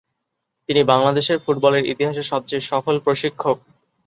তিনি বাংলাদেশের ফুটবলের ইতিহাসে সবচেয়ে সফল প্রশিক্ষক।